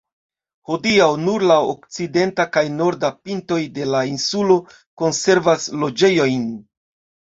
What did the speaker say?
Hodiaŭ, nur la okcidenta kaj norda pintoj de la insulo konservas loĝejojn.